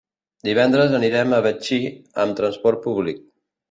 Divendres anirem a Betxí amb transport públic.